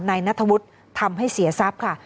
นายนัทวุฒิทำให้เสียทรัพย์ค่ะ